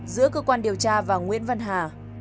giữa cơ quan điều tra và nguyễn văn hà